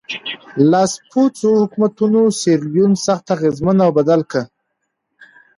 لاسپوڅو حکومتونو سیریلیون سخت اغېزمن او بدل کړ.